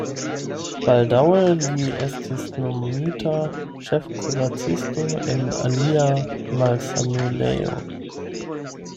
Baldaŭe li estis nomita ĉefkuracisto en alia malsanulejo.